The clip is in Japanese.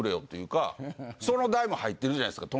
その代も入ってるじゃないですか。